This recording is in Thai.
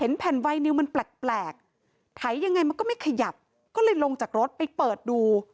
แผ่นไวนิวมันแปลกไถยังไงมันก็ไม่ขยับก็เลยลงจากรถไปเปิดดู